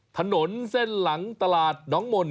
ถนนเส้นหลังตลาดน้องมนต